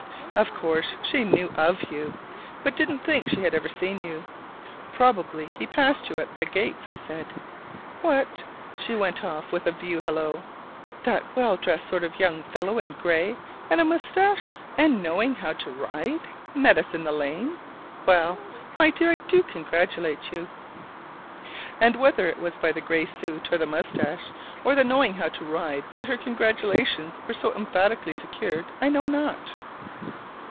Of course she knew of you: but didn't think she had ever seen you. "Probably he passed you at the gates," I said. "What?" she went off with a view hallo; "that well dressed sort of young fellow in gray, and a mustache, and knowing how to ride? Met us in the lane. Well, my dear, I do congratulate you!" And whether it was by the gray suit, or the mustache, or the knowing how to ride that her congratulations were so emphatically secured, I know not!